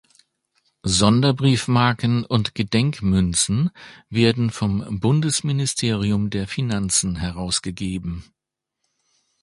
Sonderbriefmarken und Gedenkmünzen werden vom Bundesministerium der Finanzen herausgegeben.